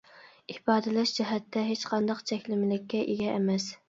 ئىپادىلەش جەھەتتە ھېچقانداق چەكلىمىلىككە ئىگە ئەمەس.